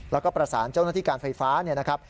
แล้วก็ประสานเจ้าหน้าที่การไฟฟ้า